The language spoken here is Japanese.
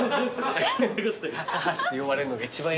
高橋って呼ばれんのが一番嫌。